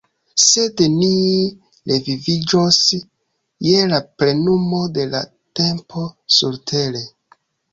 Sed ni reviviĝos je la plenumo de la tempo surtere.